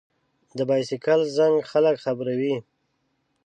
د بایسکل زنګ خلک خبروي.